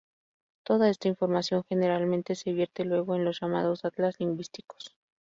Toda esta información generalmente se vierte luego en los llamados atlas lingüísticos.